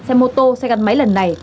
xe mô tô xe gắn máy lần này